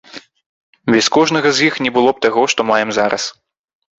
Без кожнага з іх не было б таго, што маем зараз.